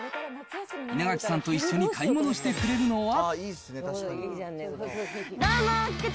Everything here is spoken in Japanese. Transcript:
稲垣さんと一緒に買い物してくれるのは。